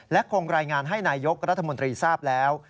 และคงรายงานให้นายกรัฐมนตรีทราบแล้ว